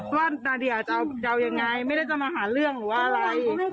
ว่านาเดียจะเอายังไงไม่ได้จะมาหาเรื่องหรือว่าอะไร